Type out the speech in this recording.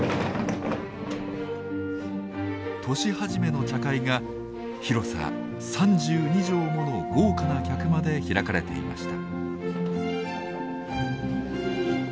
年始めの茶会が広さ３２畳もの豪華な客間で開かれていました。